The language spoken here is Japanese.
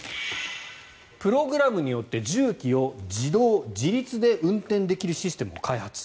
プログラムによって重機を自動・自律で運転できるシステムを開発。